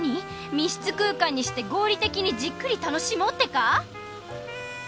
密室空間にして合理的にじっくり楽しもうってか？